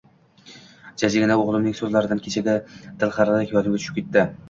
Jajjigina oʻgʻlimning soʻzlaridan kechagi dilxiralik yodimga tushib ketdi